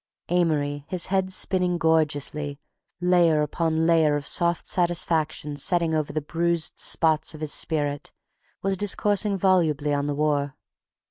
Amory, his head spinning gorgeously, layer upon layer of soft satisfaction setting over the bruised spots of his spirit, was discoursing volubly on the war.